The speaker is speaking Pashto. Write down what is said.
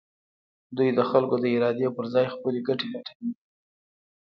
دوی د خلکو د ارادې پر ځای خپلې ګټې لټوي.